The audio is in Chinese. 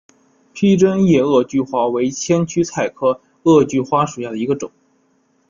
披针叶萼距花为千屈菜科萼距花属下的一个种。